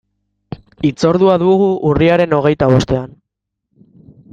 Hitzordua dugu urriaren hogeita bostean.